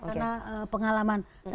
karena pengalaman dari rumah sakit persama